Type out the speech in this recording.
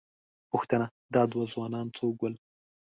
_پوښتنه، دا دوه ځوانان څوک ول؟